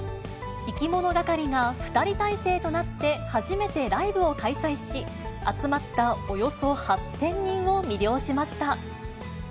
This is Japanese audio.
いきものがかりが２人態勢となって初めてライブを開催し、集まったおよそ８０００人を魅了しました。